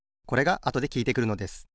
これがあとできいてくるのです。